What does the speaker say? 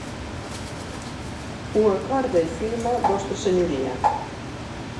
Ho acorda i firma Vostra Senyoria.